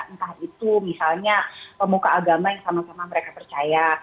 entah itu misalnya pemuka agama yang sama sama mereka percaya